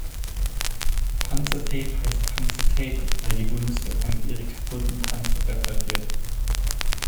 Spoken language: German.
Panzertape heißt Panzertape, weil die Bundeswehr damit ihre kaputten Panzer repariert.